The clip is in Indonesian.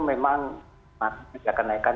memang masih akan naikkan